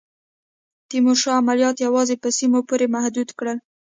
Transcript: تیمورشاه عملیات یوازي په سیمو پوري محدود کړل.